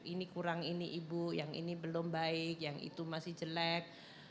ini kurang ini ibu yang ini belum baik yang itu masih jelek